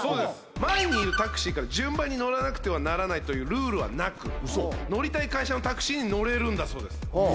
前にいるタクシーから順番に乗らなくてはならないというルールはなく乗りたい会社のタクシーに乗れるんだそうです